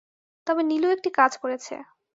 তবে নীলু একটি কাজ করেছে।